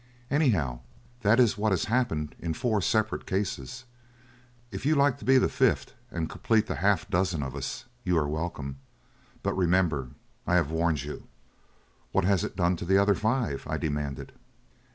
Anyhow, that is what has happened in four other separate cases. If you like to be the fifth and complete the half dozen of us, you are welcome. But remember I have warned you." "What has it done to the other five?" I demanded.